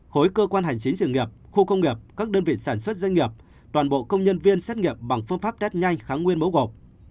khối cơ quan hành chính sự nghiệp khu công nghiệp các đơn vị sản xuất doanh nghiệp toàn bộ công nhân viên xét nghiệm bằng phương pháp test nhanh kháng nguyên mẫu gộp